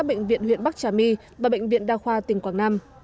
bệnh viện huyện bắc trà my và bệnh viện đa khoa tỉnh quảng nam